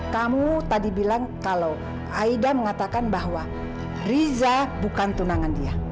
kamu tadi bilang kalau aida mengatakan bahwa riza bukan tunangan dia